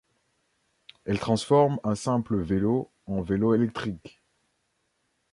Elle transforme un simple vélo en vélo électrique.